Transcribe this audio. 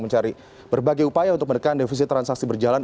mencari berbagai upaya untuk menekan defisit transaksi berjalan